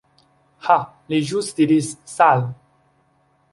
Ha, li ĵus diris "Sal."